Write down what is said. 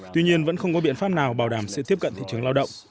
tuy nhiên vẫn không có biện pháp nào bảo đảm sự tiếp cận thị trường lao động